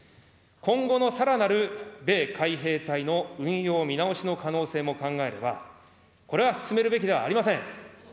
今後のさらなる米海兵隊の運用見直しの可能性も考えれば、これは進めるべきではありません。